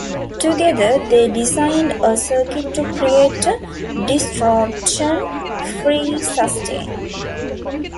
Together they designed a circuit to create a distortion-free sustain.